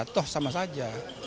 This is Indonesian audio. toh sama saja